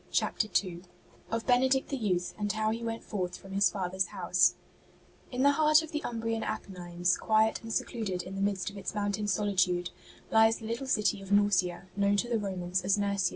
CHAPTER II OF BENEDICT THE YOUTH, AND HOW HE WENT FORTH FROM HIS FATHER'S HOUSE In the heart of the Umbrian Apennines, quiet and secluded in the midst of its mountain sohtude, Hes the Uttle city of Norcia, known to the Romans as Nursia.